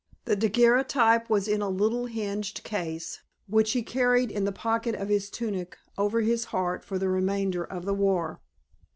The daguerreotype was in a little hinged case, which he carried in the pocket of his tunic over his heart for the remainder of the war.